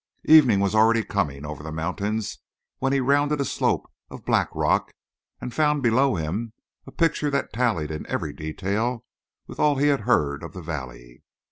Evening was already coming over the mountains when he rounded a slope of black rock and found below him a picture that tallied in every detail with all he had heard of the valley.